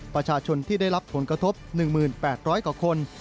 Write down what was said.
ประชาชนที่ได้รับผลกระทบ๑๘๐๐กว่าคน